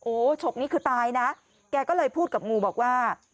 โอ้โหฉกนี้คือตายนะแกก็เลยพูดกับงูบอกว่า